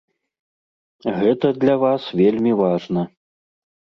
Гэта для вас вельмі важна.